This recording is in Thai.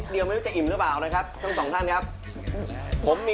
มีน้ำใจช่วยกับฉันไปหายร้อน